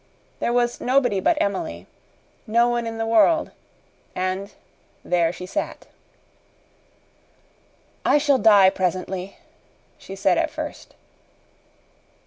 There was nobody but Emily no one in the world. And there she sat. "I shall die presently," she said at first.